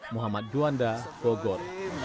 muhammad duanda bogor